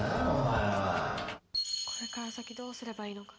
これから先どうすればいいのか。